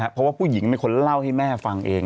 เพราะว่าผู้หญิงเป็นคนเล่าให้แม่ฟังเอง